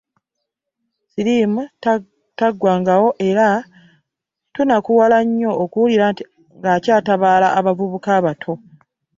Siriimu taggwangawo era tunakuwala nnyo okuwulira nti ng'akyatabaala abavubuka abato